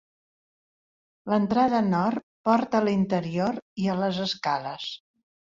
L'entrada nord porta a l'interior i a les escales.